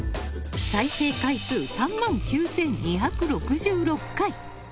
再生回数、３万９２６６回。